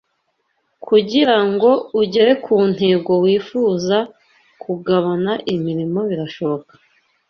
Kugirango ugere ku ntego wifuza kugabana imirimo birashobora